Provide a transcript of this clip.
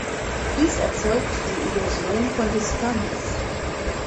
Dies erzeugt die Illusion von Distanz.